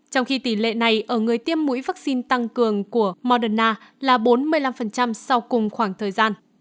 trong khi tỷ lệ này ở người tiêm mũi vaccine tăng cường của moderna là bốn mươi năm sau cùng khoảng thời gian